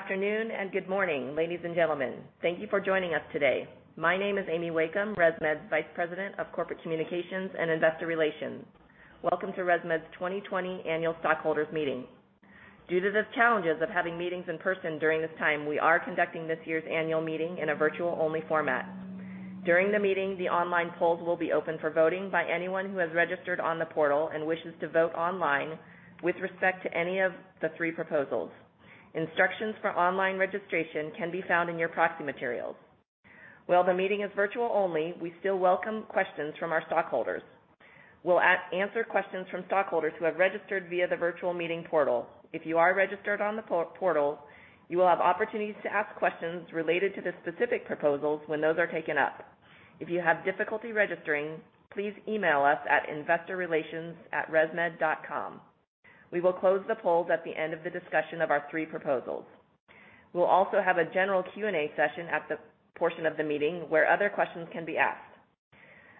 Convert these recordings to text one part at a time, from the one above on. Afternoon and good morning, ladies and gentlemen. Thank you for joining us today. My name is Amy Wakeham, ResMed's Vice President of Corporate Communications and Investor Relations. Welcome to ResMed's 2020 Annual Stockholders Meeting. Due to the challenges of having meetings in person during this time, we are conducting this year's annual meeting in a virtual-only format. During the meeting, the online polls will be open for voting by anyone who has registered on the portal and wishes to vote online with respect to any of the three proposals. Instructions for online registration can be found in your proxy materials. While the meeting is virtual only, we still welcome questions from our stockholders. We'll answer questions from stockholders who have registered via the virtual meeting portal. If you are registered on the portal, you will have opportunities to ask questions related to the specific proposals when those are taken up. If you have difficulty registering, please email us at investorrelations@resmed.com. We will close the polls at the end of the discussion of our three proposals. We'll also have a general Q&A session at the portion of the meeting where other questions can be asked.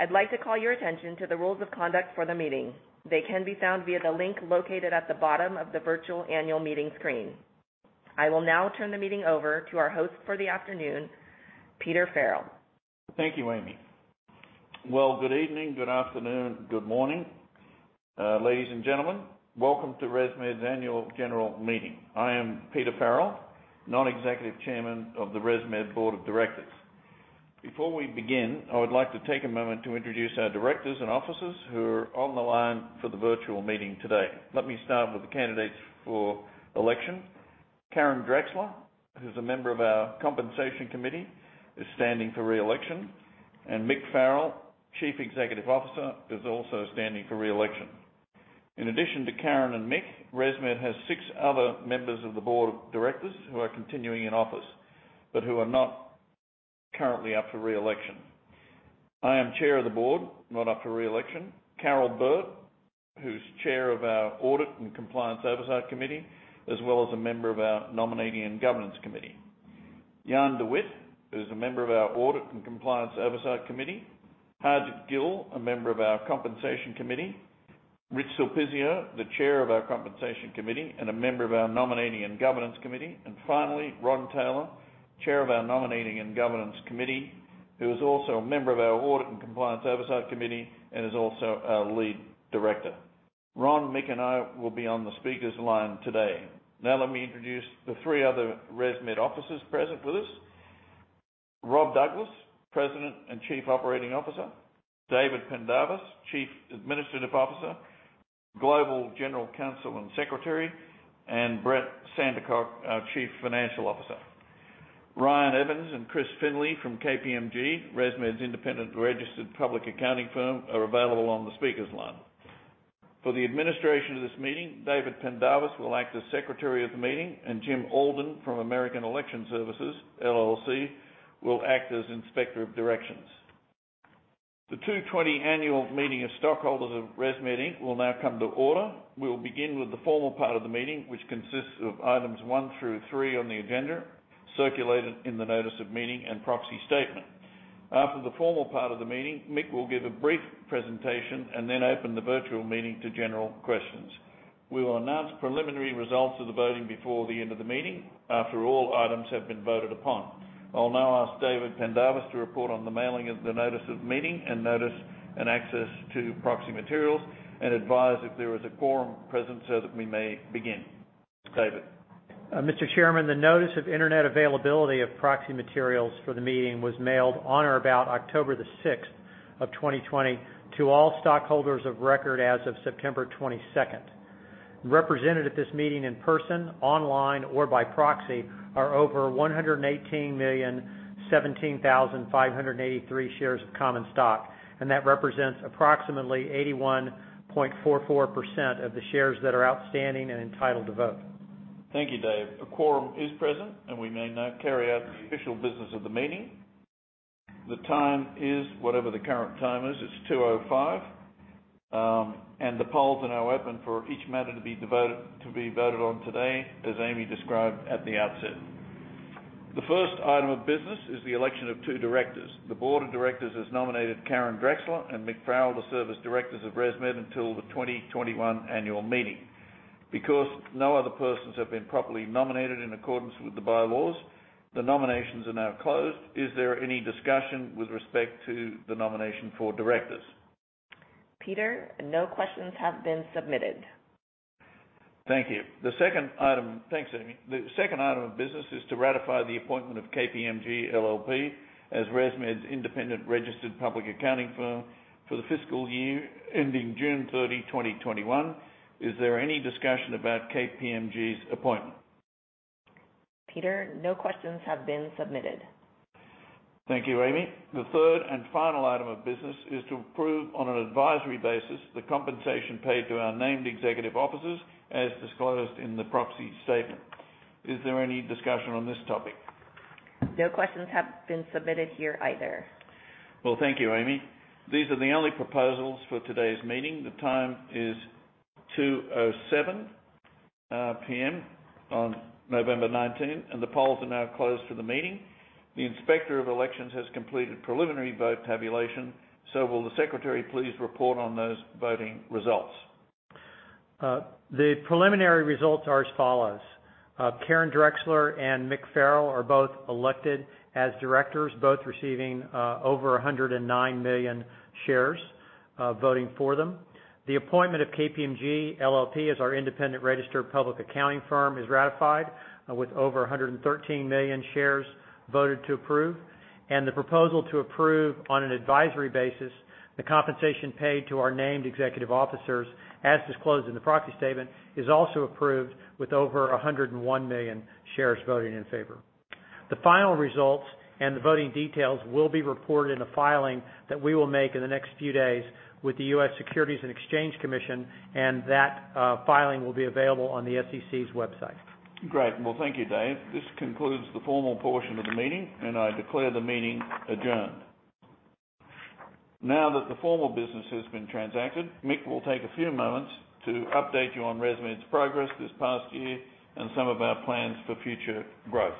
I'd like to call your attention to the rules of conduct for the meeting. They can be found via the link located at the bottom of the virtual annual meeting screen. I will now turn the meeting over to our host for the afternoon, Peter Farrell. Thank you, Amy. Well, good evening, good afternoon, good morning. Ladies and gentlemen, welcome to ResMed's Annual General Meeting. I am Peter Farrell, Non-Executive Chairman of the ResMed Board of Directors. Before we begin, I would like to take a moment to introduce our directors and officers who are on the line for the virtual meeting today. Let me start with the candidates for election. Karen Drexler, who's a member of our Compensation Committee, is standing for re-election, and Mick Farrell, Chief Executive Officer, is also standing for re-election. In addition to Karen and Mick, ResMed has six other members of the Board of Directors who are continuing in office, but who are not currently up for re-election. I am Chair of the Board, not up for re-election. Carol Burt, who's Chair of our Audit and Compliance Oversight Committee, as well as a member of our Nominating and Governance Committee. Jan De Witte, who's a member of our Audit and Compliance Oversight Committee. Harjit Gill, a member of our Compensation Committee. Richard Sulpizio, the Chair of our Compensation Committee and a member of our Nominating and Governance Committee. Finally, Ronald Taylor, Chair of our Nominating and Governance Committee, who is also a member of our Audit and Compliance Oversight Committee and is also our Lead Director. Ron, Mick, and I will be on the speakers line today. Now let me introduce the three other ResMed officers present with us. Rob Douglas, President and Chief Operating Officer. David Pendarvis, Chief Administrative Officer, Global General Counsel, and Secretary. Brett Sandercock, our Chief Financial Officer. Ryan Evans and Chris Finlay from KPMG, ResMed's independent registered public accounting firm, are available on the speakers line. For the administration of this meeting, David Pendarvis will act as Secretary of the meeting, and Jim Alden from American Election Services, LLC, will act as Inspector of Elections. The 2020 Annual Meeting of Stockholders of ResMed Inc. will now come to order. We will begin with the formal part of the meeting, which consists of items one through three on the agenda, circulated in the notice of meeting and proxy statement. After the formal part of the meeting, Mick will give a brief presentation and then open the virtual meeting to general questions. We will announce preliminary results of the voting before the end of the meeting after all items have been voted upon. I'll now ask David Pendarvis to report on the mailing of the notice of meeting and notice and access to proxy materials, and advise if there is a quorum present so that we may begin. David? Mr. Chairman, the notice of internet availability of proxy materials for the meeting was mailed on or about October the 6th of 2020 to all stockholders of record as of September 22nd. Represented at this meeting in person, online, or by proxy are over 118,017,583 shares of common stock, and that represents approximately 81.44% of the shares that are outstanding and entitled to vote. Thank you, David. A quorum is present, and we may now carry out the official business of the meeting. The time is whatever the current time is. It's 2:05PM. The polls are now open for each matter to be voted on today, as Amy described at the outset. The first item of business is the election of two directors. The board of directors has nominated Karen Drexler and Mick Farrell to serve as directors of ResMed until the 2021 annual meeting. Because no other persons have been properly nominated in accordance with the bylaws, the nominations are now closed. Is there any discussion with respect to the nomination for directors? Peter, no questions have been submitted. Thank you. Thanks, Amy. The second item of business is to ratify the appointment of KPMG LLP as ResMed's independent registered public accounting firm for the fiscal year ending June 30, 2021. Is there any discussion about KPMG's appointment? Peter, no questions have been submitted. Thank you, Amy. The third and final item of business is to approve on an advisory basis the compensation paid to our named executive officers as disclosed in the proxy statement. Is there any discussion on this topic? No questions have been submitted here either. Well, thank you, Amy. These are the only proposals for today's meeting. The time is 2:07PM on November 19th. The polls are now closed for the meeting. The Inspector of Elections has completed preliminary vote tabulation. Will the Secretary please report on those voting results? The preliminary results are as follows. Karen Drexler and Mick Farrell are both elected as directors, both receiving over 109 million shares voting for them. The appointment of KPMG LLP as our independent registered public accounting firm is ratified with over 113 million shares voted to approve, and the proposal to approve on an advisory basis the compensation paid to our named executive officers, as disclosed in the proxy statement, is also approved with over 101 million shares voting in favor. The final results and the voting details will be reported in a filing that we will make in the next few days with the U.S. Securities and Exchange Commission, and that filing will be available on the SEC's website. Great. Well, thank you, Dave. This concludes the formal portion of the meeting. I declare the meeting adjourned. Now that the formal business has been transacted, Mick will take a few moments to update you on ResMed's progress this past year and some of our plans for future growth.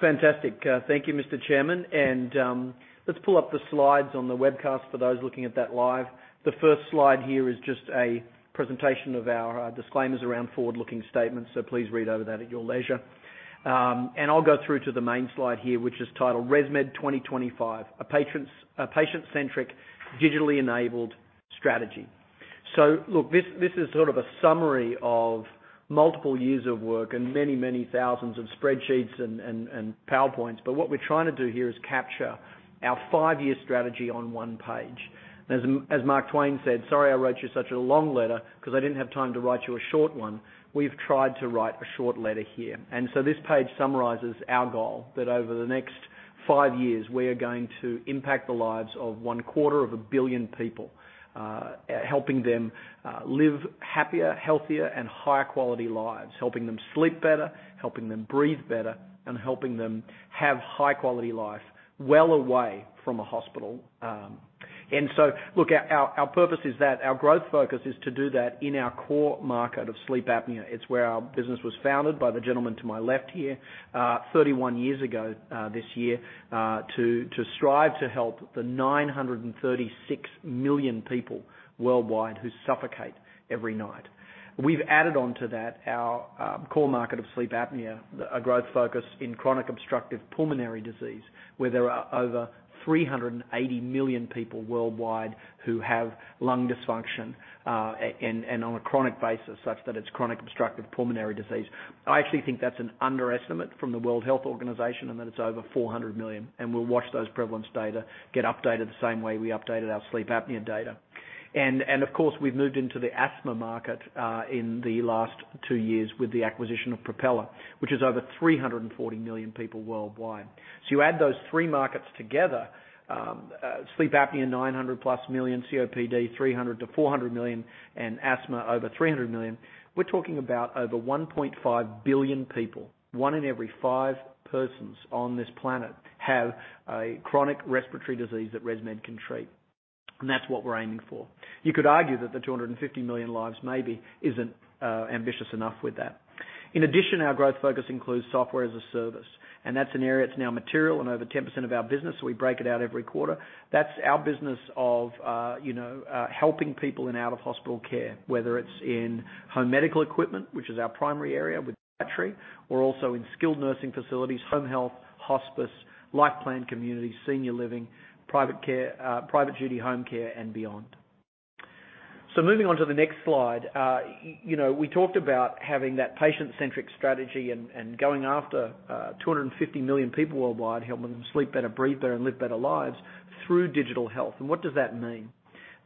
Fantastic. Thank you, Mr. Chairman. Let's pull up the slides on the webcast for those looking at that live. The first slide here is just a presentation of our disclaimers around forward-looking statements, please read over that at your leisure. I'll go through to the main slide here, which is titled ResMed 2025: A Patient Centric, Digitally Enabled Strategy. Look, this is sort of a summary of multiple years of work and many thousands of spreadsheets and PowerPoints. What we're trying to do here is capture our five-year strategy on one page. As Mark Twain said, "Sorry I wrote you such a long letter because I didn't have time to write you a short one." We've tried to write a short letter here. This page summarizes our goal that over the next five years, we are going to impact the lives of 250 million people, helping them live happier, healthier, and higher quality lives. Helping them sleep better, helping them breathe better, and helping them have high-quality life well away from a hospital. Look, our purpose is that our growth focus is to do that in our core market of sleep apnea. It's where our business was founded by the gentleman to my left here, 31 years ago this year, to strive to help the 936 million people worldwide who suffocate every night. We've added on to that, our core market of sleep apnea, a growth focus in chronic obstructive pulmonary disease, where there are over 380 million people worldwide who have lung dysfunction and on a chronic basis such that it's chronic obstructive pulmonary disease. I actually think that's an underestimate from the World Health Organization and that it's over 400 million. We'll watch those prevalence data get updated the same way we updated our sleep apnea data. Of course, we've moved into the asthma market in the last two years with the acquisition of Propeller, which is over 340 million people worldwide. You add those three markets together, sleep apnea, 900+ million, COPD, 300 million to 400 million, and asthma over 300 million. We're talking about over 1.5 billion people, one in every five persons on this planet, have a chronic respiratory disease that ResMed can treat. That's what we're aiming for. You could argue that the 250 million lives maybe isn't ambitious enough with that. In addition, our growth focus includes software as a service. That's an area that's now material in over 10% of our business, we break it out every quarter. That's our business of helping people in out-of-hospital care, whether it's in home medical equipment, which is our primary area with Brightree, or also in skilled nursing facilities, home health, hospice, life plan communities, senior living, private care, private duty home care, and beyond. Moving on to the next slide. We talked about having that patient-centric strategy and going after 250 million people worldwide, helping them sleep better, breathe better, and live better lives through digital health. What does that mean?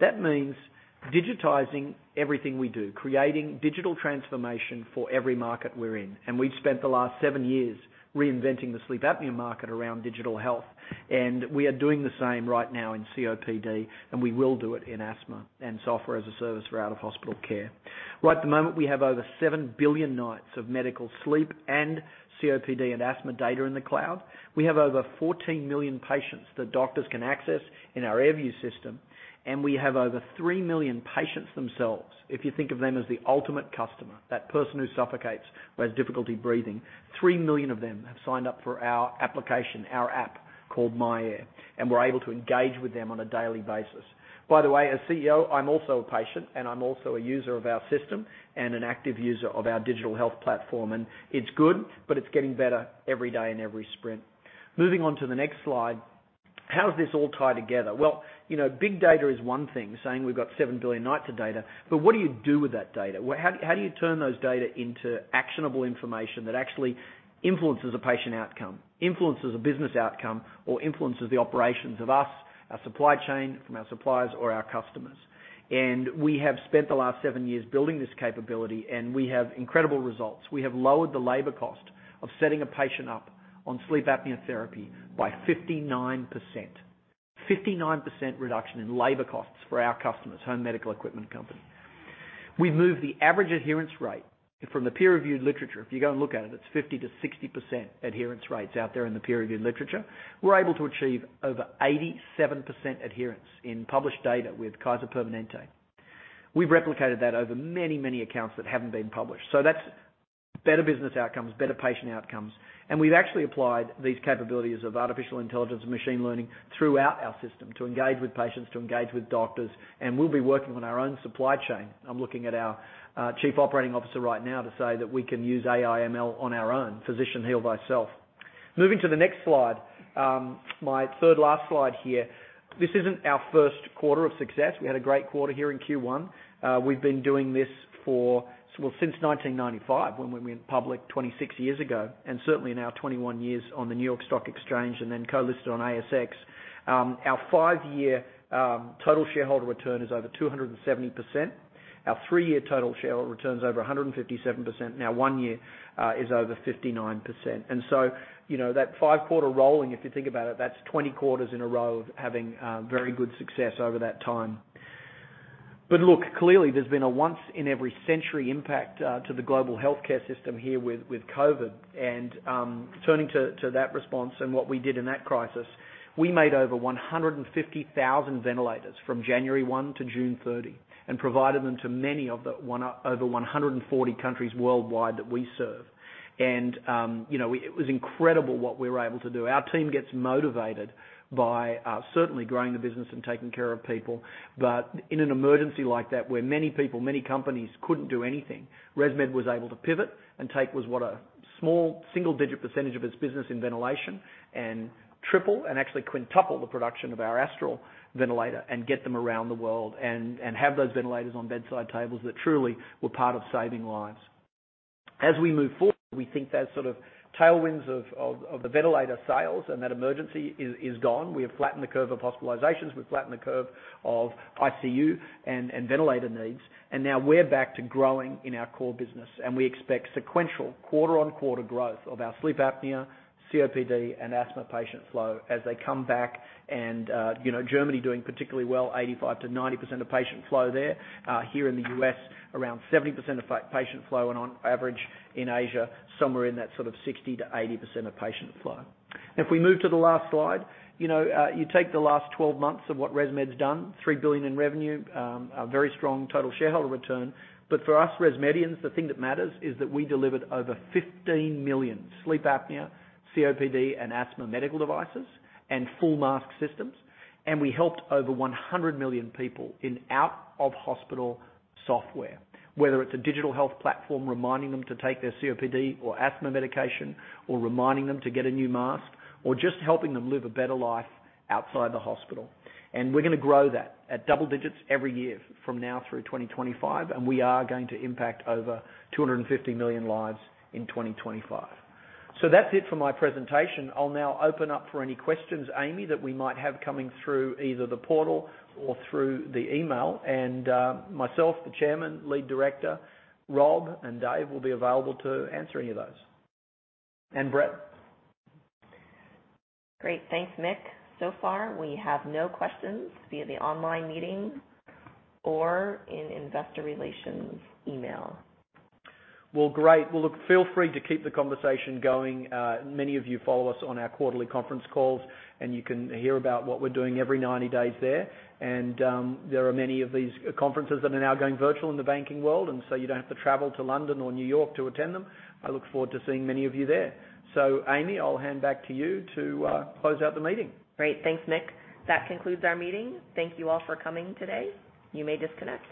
That means digitizing everything we do, creating digital transformation for every market we're in. We've spent the last seven years reinventing the sleep apnea market around digital health, and we are doing the same right now in COPD, and we will do it in asthma and software as a service for out-of-hospital care. Right the moment, we have over seven billion nights of medical sleep and COPD and asthma data in the cloud. We have over 14 million patients that doctors can access in our AirView system, and we have over three million patients themselves. If you think of them as the ultimate customer, that person who suffocates, who has difficulty breathing, three million of them have signed up for our application, our app called myAir, and we're able to engage with them on a daily basis. By the way, as CEO, I'm also a patient, and I'm also a user of our system and an active user of our digital health platform, and it's good, but it's getting better every day and every sprint. Moving on to the next slide. How does this all tie together? Well, big data is one thing, saying we've got seven billion nights of data, but what do you do with that data? How do you turn those data into actionable information that actually influences a patient outcome, influences a business outcome, or influences the operations of us, our supply chain from our suppliers or our customers? We have spent the last seven years building this capability, and we have incredible results. We have lowered the labor cost of setting a patient up on sleep apnea therapy by 59%. 59% reduction in labor costs for our customers, home medical equipment company. We moved the average adherence rate from the peer-reviewed literature. If you go and look at it's 50%-60% adherence rates out there in the peer-reviewed literature. We're able to achieve over 87% adherence in published data with Kaiser Permanente. We've replicated that over many, many accounts that haven't been published. That's better business outcomes, better patient outcomes. We've actually applied these capabilities of artificial intelligence and machine learning throughout our system to engage with patients, to engage with doctors, and we'll be working on our own supply chain. I'm looking at our chief operating officer right now to say that we can use AI ML on our own. Physician heal thyself. Moving to the next slide, my third last slide here. This isn't our first quarter of success. We had a great quarter here in Q1. We've been doing this for, well, since 1995, when we went public 26 years ago, and certainly now 21 years on the New York Stock Exchange and then co-listed on ASX. Our five-year, total shareholder return is over 270%. Our three-year total shareholder return's over 157%. One year is over 59%. That five quarter rolling, if you think about it, that's 20 quarters in a row of having very good success over that time. Look, clearly there's been a once in every century impact to the global healthcare system here with COVID. Turning to that response and what we did in that crisis, we made over 150,000 ventilators from January 1 to June 30, and provided them to many of the over 140 countries worldwide that we serve. It was incredible what we were able to do. Our team gets motivated by certainly growing the business and taking care of people. In an emergency like that, where many people, many companies couldn't do anything, ResMed was able to pivot and take what was a small single-digit percentage of its business in ventilation and triple, and actually quintuple the production of our Astral ventilator and get them around the world and have those ventilators on bedside tables that truly were part of saving lives. As we move forward, we think that sort of tailwinds of the ventilator sales and that emergency is gone. We have flattened the curve of hospitalizations. We've flattened the curve of ICU and ventilator needs. Now we're back to growing in our core business. We expect sequential quarter-on-quarter growth of our sleep apnea, COPD, and asthma patient flow as they come back. Germany doing particularly well, 85%-90% of patient flow there. Here in the U.S., around 70% of patient flow, and on average in Asia, somewhere in that sort of 60%-80% of patient flow. If we move to the last slide. You take the last 12 months of what ResMed's done, $3 billion in revenue, a very strong total shareholder return. For us ResMedians, the thing that matters is that we delivered over 15 million sleep apnea, COPD, and asthma medical devices and full mask systems. We helped over 100 million people in out-of-hospital software, whether it's a digital health platform reminding them to take their COPD or asthma medication, or reminding them to get a new mask, or just helping them live a better life outside the hospital. We're gonna grow that at double digits every year from now through 2025, and we are going to impact over 250 million lives in 2025. That's it for my presentation. I'll now open up for any questions, Amy, that we might have coming through either the portal or through the email, and myself, the chairman, lead director, Rob, and Dave will be available to answer any of those, and Brett. Great. Thanks, Mick. Far, we have no questions via the online meeting or in investor relations email. Well, great. Well, look, feel free to keep the conversation going. Many of you follow us on our quarterly conference calls, and you can hear about what we're doing every 90 days there. There are many of these conferences that are now going virtual in the banking world, and so you don't have to travel to London or New York to attend them. I look forward to seeing many of you there. Amy, I'll hand back to you to close out the meeting. Great. Thanks, Mick. That concludes our meeting. Thank you all for coming today. You may disconnect.